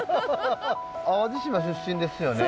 淡路島出身ですよね。